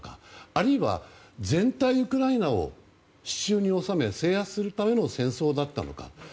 あるいは全体、ウクライナを手中に収めるため制圧するための戦争だったのか。